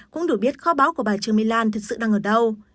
cũng đủ biết kho báo của bà trương my lan thật sự đang ở đâu